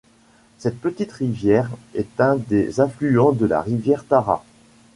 Cette petite rivière est un des affluents de la rivière Tara.